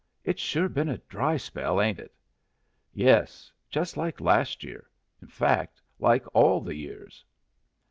It's sure been a dry spell, ain't it?" "Yes. Just like last year. In fact, like all the years."